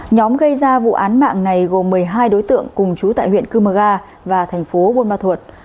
nhóm gây ra vụ án mạng này gồm một mươi hai đối tượng cùng chú tại huyện cư mơ ga và thành phố buôn ma thuột